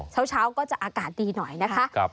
เช้าก็จะอากาศดีหน่อยนะคะ